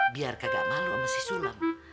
biar kagak malu sama si sulem